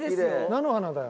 菜の花だよ。